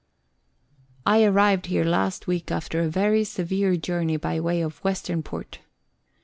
I arrived here last week after a very severe journey by way of Western Port.